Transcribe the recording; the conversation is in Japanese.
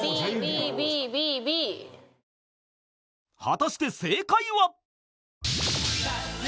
［果たして正解は］